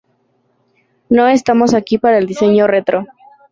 No estamos aquí para el diseño retro.